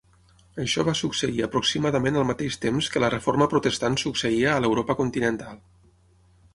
Això va succeir aproximadament al mateix temps que la reforma protestant succeïa a l'Europa continental.